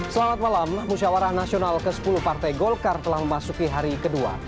selamat malam musyawarah nasional ke sepuluh partai golkar telah memasuki hari kedua